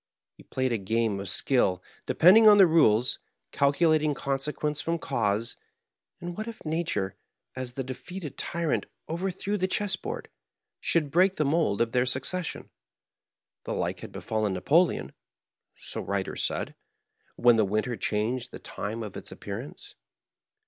He played a game of Digitized by VjOOQIC 66 MARKHEIM. skill, depending on the rales, calculating consequence from canse ; and what if nature, as the defeated tyrant overthrew the chessboard, should break the mold of their succession? The like had befallen !N^apoleon (so writers said) when the winter changed the time of its appearance.